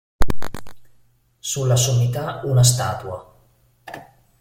Sulla sommità una statua.